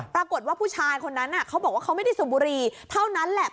ปรากฏว่าผู้ชายคนนั้นเขาบอกว่าเขาไม่ได้สูบบุรีเท่านั้นแหละ